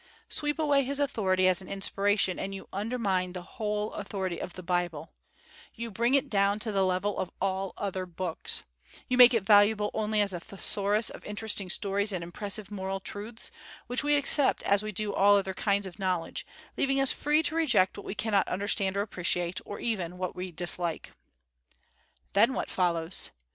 Sweep away his authority as an inspiration, and you undermine the whole authority of the Bible; you bring it down to the level of all other books; you make it valuable only as a thesaurus of interesting stories and impressive moral truths, which we accept as we do all other kinds of knowledge, leaving us free to reject what we cannot understand or appreciate, or even what we dislike. Then what follows?